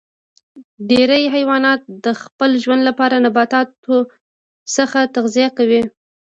ډیری حیوانات د خپل ژوند لپاره د نباتاتو څخه تغذیه کوي